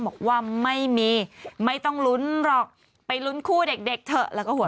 บอกว่าไม่มีไม่ต้องลุ้นหรอกไปลุ้นคู่เด็กเถอะแล้วก็หัว